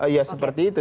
ya seperti itu